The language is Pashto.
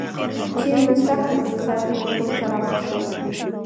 چین له سخت اقتصادي رکود سره مخ شو.